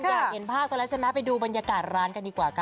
อยากเห็นภาพกันแล้วใช่ไหมไปดูบรรยากาศร้านกันดีกว่าค่ะ